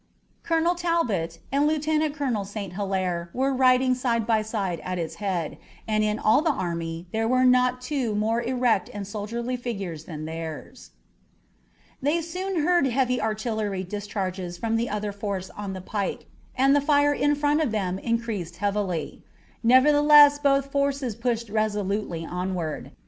Colonel Talbot and Lieutenant Colonel St. Hilaire were riding side by side at its head, and in all the army there were not two more erect and soldierly figures than theirs. They soon heard heavy artillery discharges from the other force on the pike, and the fire in front of them increased heavily. Nevertheless both forces pushed resolutely onward.